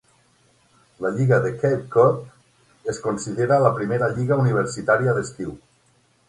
La lliga de Cape Cod es considera la primera lliga universitària d'estiu.